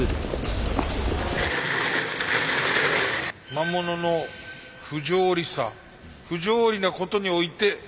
魔物の不条理さ不条理なことにおいて平等という。